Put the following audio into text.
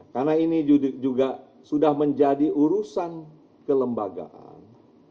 karena ini juga sudah menjadi urusan kelembagaan